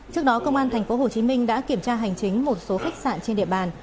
trước đó công an tp hcm đã kiểm tra hành chính một số khách sạn trên địa bàn